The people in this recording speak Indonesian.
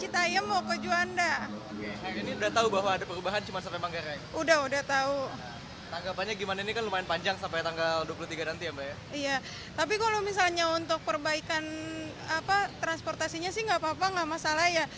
tapi kalau misalnya untuk perbaikan transportasinya sih nggak apa apa nggak masalah ya